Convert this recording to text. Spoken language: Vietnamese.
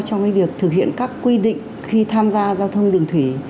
trong việc thực hiện các quy định khi tham gia giao thông đường thủy